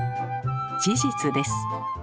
事実です。